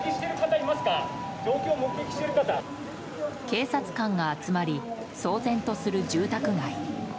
警察官が集まり騒然とする住宅街。